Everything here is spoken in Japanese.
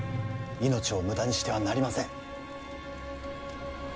命を無駄にしてはなりません。